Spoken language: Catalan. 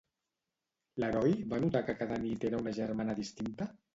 L'heroi va notar que cada nit era una germana distinta?